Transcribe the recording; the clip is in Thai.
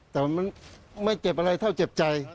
แต่มันไม่เก็บอะไรเท่าเจ็บใจ